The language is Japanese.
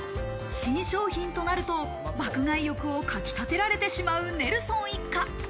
新商品となると爆買い欲をかきたてられてしまうネルソン一家。